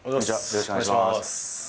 よろしくお願いします。